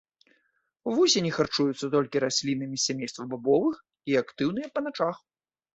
Вусені харчуюцца толькі раслінамі з сямейства бабовых і актыўныя па начах.